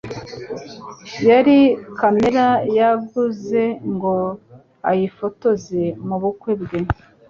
Yari kamera yaguze ngo ayifotoze mu bukwe bwe.